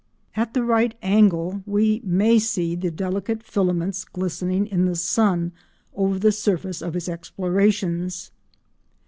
At the right angle, we may see the delicate filaments glistening in the sun over the surface of its explorations.